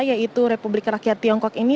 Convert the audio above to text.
yaitu republik rakyat tiongkok ini